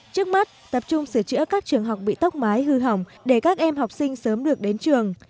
trước mắt tập trung sửa chữa các trường học bị tốc mái hư hỏng để các em học sinh sớm được đến trường